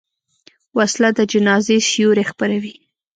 وسله د جنازې سیوري خپروي